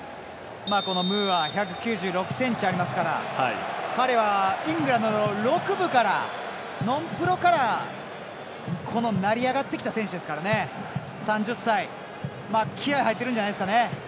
ムーア、１９６ｃｍありますから彼はイングランドの６部から、ノンプロから成り上がってきた選手ですから３０歳、気合い入ってるんじゃないですかね。